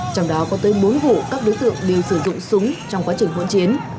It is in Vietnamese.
trong đó có tới bốn vụ các đối tượng đều sử dụng súng trong quá trình hỗn chiến